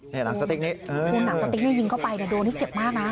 เนี้ยหนังสติกนี้เออคุณหนังสติกนี้ยิงเข้าไปแต่ดูนี่เจ็บมากน่ะ